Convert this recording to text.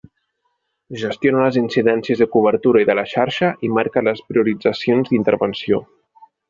Gestiona les incidències de cobertura i de la xarxa i marca les prioritzacions d'intervenció.